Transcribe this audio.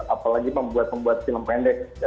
apalagi pembuat pembuat film pendek